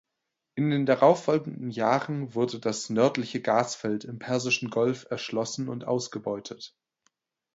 In den darauffolgenden Jahren wurde das "nördliche Gasfeld" im Persischen Golf erschlossen und ausgebeutet.